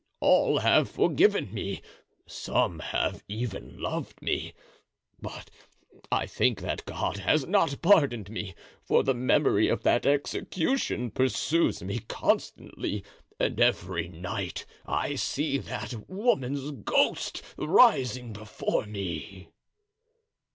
All have forgiven me, some have even loved me; but I think that God has not pardoned me, for the memory of that execution pursues me constantly and every night I see that woman's ghost rising before me."